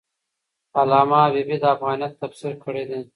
علامه حبیبي د افغانیت تفسیر کړی دی.